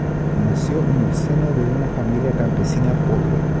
Nació en el seno de una familia campesina pobre.